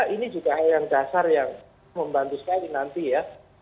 ini juga hal yang dasar yang membantu saya ini nanti ya